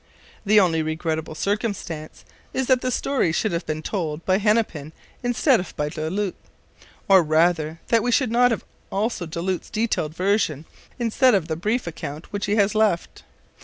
The only regrettable circumstance is that the story should have been told by Hennepin instead of by Du Lhut or rather, that we should not have also Du Lhut's detailed version instead of the brief account which he has left.